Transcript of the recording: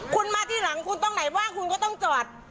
คุณมาทีหลังคุณต้องไหนว่างคุณก็ต้องจอด